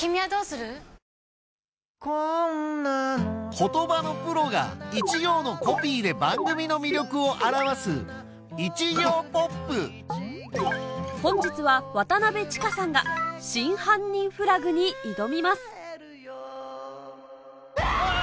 言葉のプロが一行のコピーで番組の魅力を表す本日は渡千佳さんが『真犯人フラグ』に挑みますわ！